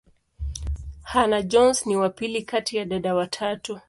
Hannah-Jones ni wa pili kati ya dada watatu.